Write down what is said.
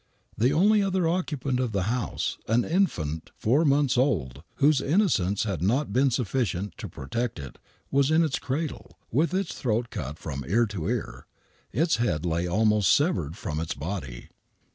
The only other occupant of the house, an infant four months* old, whose innocence had not been suflBcient to pro Stect it, was in its cradle, with its throat cut from ear to ear: its head lay almost severed from its body.